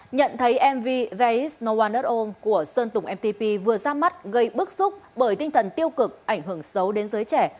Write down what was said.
nhận thấy mv there is no one at all của sơn tùng mtp vừa ra mắt gây bức xúc bởi tinh thần tiêu cực ảnh hưởng xấu đến giới trẻ